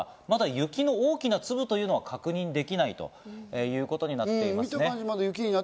まだ雪の大きな粒というのは確認できないということになっています。